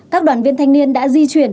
các đoàn viên thanh niên đã di chuyển